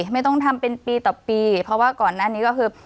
ไม่ต้องทำเป็นปีต่อปีเพราะว่าก่อนหน้านี้ก็คือ